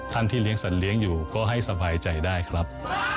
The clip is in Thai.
ที่เลี้ยสัตว์เลี้ยงอยู่ก็ให้สบายใจได้ครับ